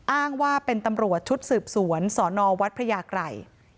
อ้างว่าเป็นตำรวจชุดสืบสวนสนวัดพระยากรัย